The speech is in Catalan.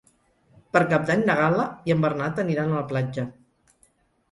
Per Cap d'Any na Gal·la i en Bernat aniran a la platja.